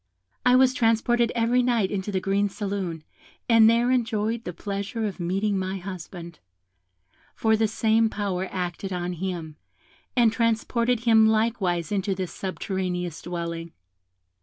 I was transported every night into the green saloon, and there enjoyed the pleasure of meeting my husband, for the same power acted on him, and transported him likewise into this subterraneous dwelling.